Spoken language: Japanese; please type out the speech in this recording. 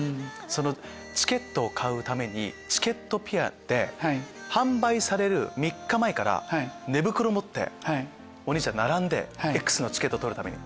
そのチケットを買うためにチケットぴあ販売される３日前から寝袋持ってお兄ちゃん並んでＸのチケット取るために。